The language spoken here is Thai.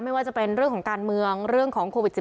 ไม่ว่าจะเป็นเรื่องของการเมืองเรื่องของโควิด๑๙